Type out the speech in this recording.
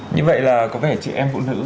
như vậy là có vẻ chị em phụ nữ